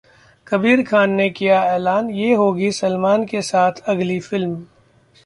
कबीर खान ने किया ऐलान, ये होगी सलमान के साथ अगली फिल्म